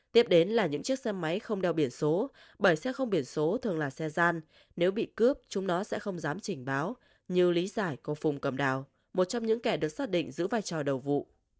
tiếp đến là những chiếc xe máy không đeo biển số bởi xe không biển số thường là xe gian nếu bị cướp chúng nó sẽ không dám trình báo như lý giải của phùng cầm đào một trong những kẻ được xác định giữ vai trò đầu vụ